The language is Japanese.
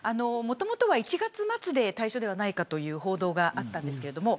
もともとは１月末で退所ではないかという報道があったんですけど